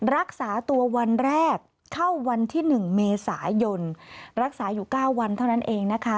รักษาตัววันแรกเข้าวันที่๑เมษายนรักษาอยู่๙วันเท่านั้นเองนะคะ